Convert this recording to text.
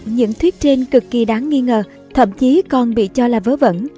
những thuyết trên cực kỳ đáng nghi ngờ thậm chí còn bị cho là vớ vẩn